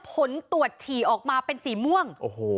ผลตรวจฉี่ออกมาเป็นสีม่วง